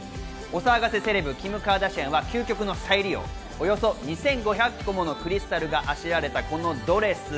お騒がせセレブ、キム・カーダシアンは究極の再利用、およそ２５００個ものクリスタルがあしらわれたこのドレス。